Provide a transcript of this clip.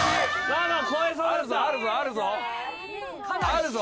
あるぞ。